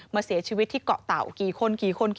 มาเสียชีวิตที่เกาะเต่ากี่คน